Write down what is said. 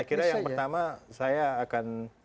saya kira yang pertama saya akan